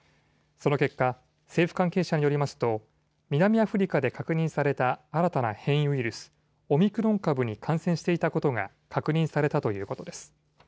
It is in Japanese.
その結果、政府関係者によりますと南アフリカで確認された新たな変異ウイルス、オミクロン株に感染していたことが確認されたということです。